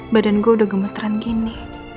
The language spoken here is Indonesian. badan gue udah gemeteran gini